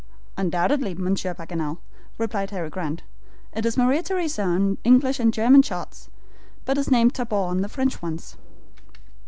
"Undoubtedly, Monsieur Paganel," replied Harry Grant. "It is Maria Theresa on the English and German charts, but is named Tabor on the French ones!"